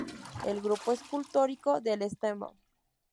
El grupo escultórico del Stmo.